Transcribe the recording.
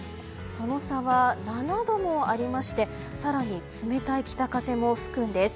その差は７度もありまして更に冷たい北風も吹くんです。